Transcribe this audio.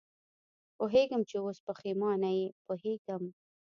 پوهېږم چې اوس پېښېمانه یې، پوهېږم.